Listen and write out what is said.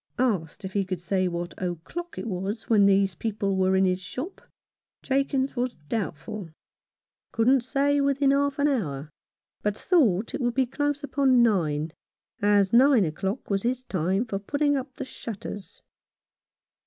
Asked if he could say what o'clock it was when these people were in his shop, Jakins was doubt ful, couldn't say within half an hour, but thought it would be close upon nine, as nine o'clock was his time for putting up the shutters.